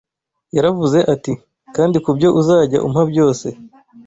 Yaravuze ati: Kandi ku byo uzajya umpa byose